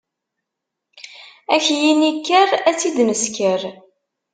Ad ak-yini kker ad tt-id nesker.